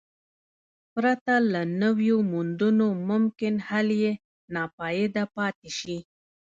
پرته له نویو موندنو ممکن حل یې ناپایده پاتې شي.